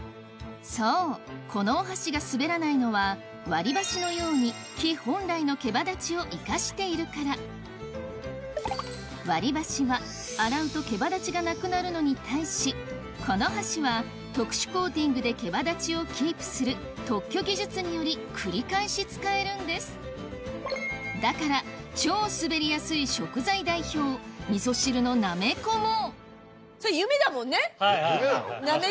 そうこのお箸が滑らないのは割り箸のように割り箸は洗うと毛羽立ちがなくなるのに対しこの箸は特殊コーティングで毛羽立ちをキープする特許技術により繰り返し使えるんですだから超滑りやすい食材代表味噌汁のなめこも夢なの？